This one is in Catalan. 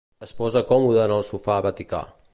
Es posa còmode en el sofà vaticà.